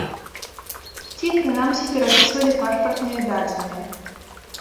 Ці, прынамсі, перапісвалі пашпартныя дадзеныя.